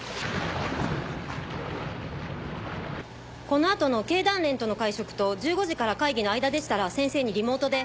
この後の経団連との会食と１５時から会議の間でしたら先生にリモートで。